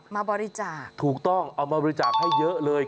มาบริจาคถูกต้องเอามาบริจาคให้เยอะเลย